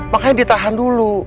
makanya ditahan dulu